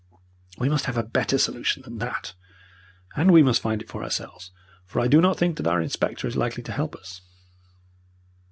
We must have a better solution than that, and we must find it for ourselves, for I do not think that our inspector is likely to help us.